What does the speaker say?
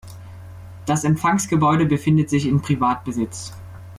Das Empfangsgebäude befindet sich in Privatbesitz.